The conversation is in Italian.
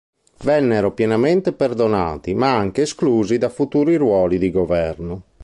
Vennero pienamente perdonati, ma anche esclusi da futuri ruoli di governo.